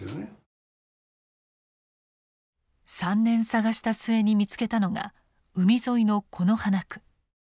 ３年探した末に見つけたのが海沿いの此花区。